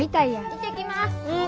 行ってきます！